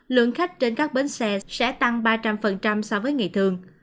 lượng khách trên các bến xe sẽ tăng ba trăm linh so với ngày thường